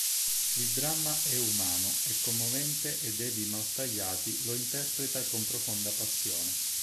Il dramma è umano e commovente ed Evi Maltagliati lo interpreta con profonda passione.